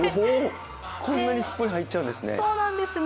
こんなにすっぽり入っちゃうんですね。